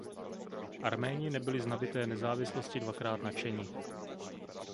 Arméni nebyli z nabyté nezávislosti dvakrát nadšeni.